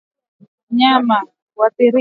wanyama wengi kwenye kundi huathiriwa